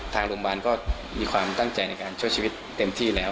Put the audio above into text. ทางโรงพยาบาลก็มีความตั้งใจในการช่วยชีวิตเต็มที่แล้ว